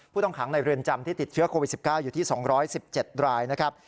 ผู้ต้องขังในเรือนจำที่ติดเชื้อโควิดสิบเก้าอยู่ที่สองร้อยสิบเจ็ดรายนะครับ